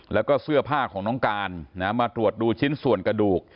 แล้วก็เสื้อผ้าของน้องการมาตรวจดูชิ้นส่วนกระดูก